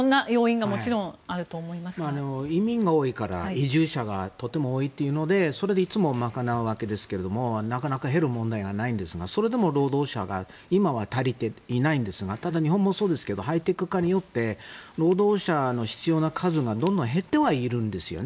でも移民が多いから移住者がとても多いというのでそれでいつも賄うわけでなかなか減らないんですがそれでも労働者が今は足りていないんですがただ、日本もそうですがハイテク化によって労働者の必要な数がどんどん減ってはいるんですね。